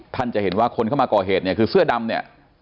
ท่านจะเห็นว่าคนเข้ามาก่อเหตุคือเสื้อดำ